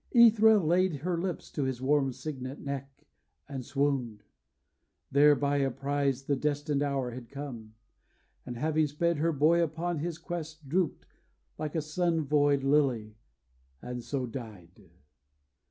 Æthra laid Her lips to his warm cygnet neck, and swooned, Thereby apprised the destined hour had come, And having sped her boy upon his quest, Drooped, like a sun void lily, and so died.